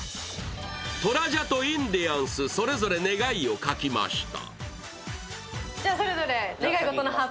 トラジャとインディアンス、それぞれ願いを書きました。